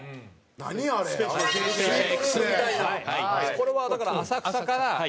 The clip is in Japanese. これはだから浅草から。